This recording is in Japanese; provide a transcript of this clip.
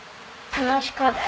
楽しかった。